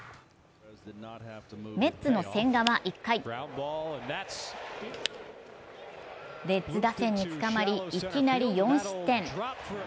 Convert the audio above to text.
メッツの千賀は１回レッズ打線につかまり、いきなり４失点。